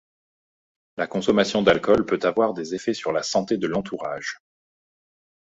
La consommation d'alcool peut avoir des effets sur la santé de l'entourage.